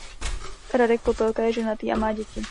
Radek Popelka je ženatý a má děti.